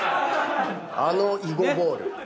あの囲碁ボール。